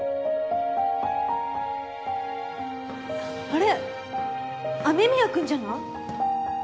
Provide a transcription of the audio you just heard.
あれ雨宮くんじゃない？